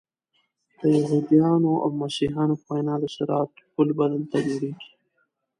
د یهودانو او مسیحیانو په وینا د صراط پل به دلته جوړیږي.